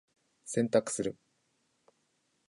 洗濯する。